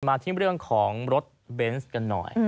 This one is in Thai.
มาที่เรื่องของรถเบนส์กันหน่อย